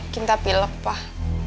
kinta pilep pak